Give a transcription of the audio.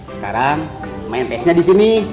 sekarang main ps nya di sini